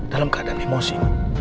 dalam keadaan emosi